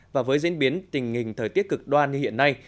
và với diễn biến tình hình thời tiết cực đoan như hiện nay